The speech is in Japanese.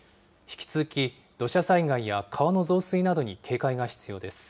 引き続き土砂災害や川の増水などに警戒が必要です。